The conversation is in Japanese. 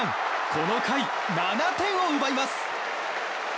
この回７点を奪います。